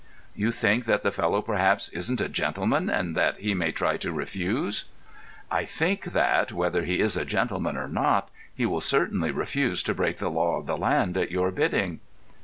"You think that the fellow perhaps isn't a gentleman, and that he may try to refuse?" "I think that, whether he is a gentleman or not, he will certainly refuse to break the law of the land at your bidding."